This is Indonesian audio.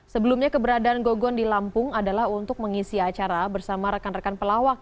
sebelumnya keberadaan gogon di lampung adalah untuk mengisi acara bersama rekan rekan pelawak